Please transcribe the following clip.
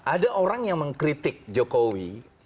ada orang yang mengkritik jokowi